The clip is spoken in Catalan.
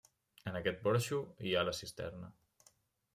En aquest porxo hi ha la cisterna.